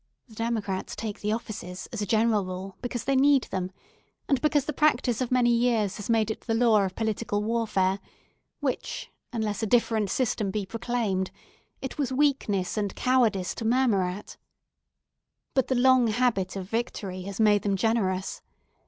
The Democrats take the offices, as a general rule, because they need them, and because the practice of many years has made it the law of political warfare, which unless a different system be proclaimed, it was weakness and cowardice to murmur at. But the long habit of victory has made them generous.